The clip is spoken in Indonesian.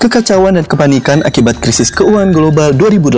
kekacauan dan kepanikan akibat krisis keuangan global dua ribu delapan belas